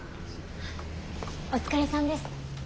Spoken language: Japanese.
お疲れさんです。